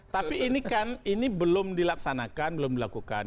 tapi ini kan ini belum dilaksanakan belum dilakukan